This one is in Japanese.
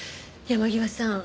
山際さん。